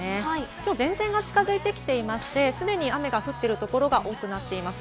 今日は前線が近づいて来ていまして、すでに雨が降っているところが多くなっています。